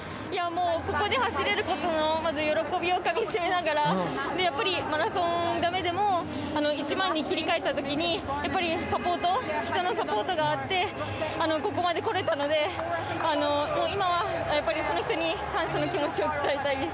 ここで走れることの喜びをかみ締めながらやっぱりマラソンがだめでも１００００に切り替えた時に人のサポートがあってここまで来れたので今は、やっぱりその人に感謝の気持ちを伝えたいです。